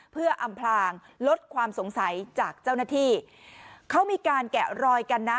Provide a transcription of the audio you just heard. เพื่ออำพลางลดความสงสัยจากเจ้าหน้าที่เขามีการแกะรอยกันนะ